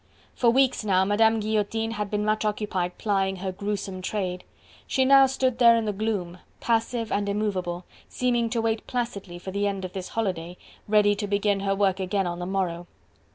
For weeks now Madame Guillotine had been much occupied plying her gruesome trade; she now stood there in the gloom, passive and immovable, seeming to wait placidly for the end of this holiday, ready to begin her work again on the morrow.